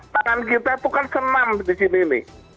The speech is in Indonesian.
tangan kita itu kan senam di sini